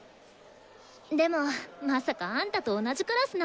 でもまさかあんたと同じクラスなんてね。